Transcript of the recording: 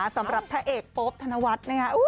สำหรับพระเอกโป๊ปธนวัฒน์นะคะ